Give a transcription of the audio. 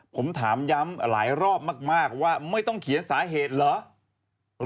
ผมถามย้ำหลายรอบมากว่าไม่ต้องเขียนสาเหตุเหรอ